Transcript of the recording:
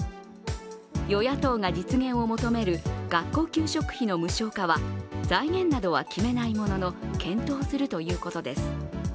与野党が実現を求める学校給食費の無償化は財源などは決めないものの検討するということです。